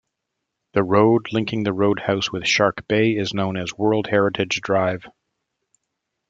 The road linking the roadhouse with Shark Bay is known as "World Heritage Drive".